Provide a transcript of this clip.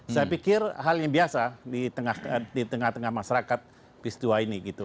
saya pikir hal yang biasa di tengah tengah masyarakat pistua ini gitu